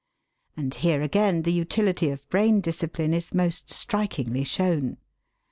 And here again the utility of brain discipline is most strikingly shown.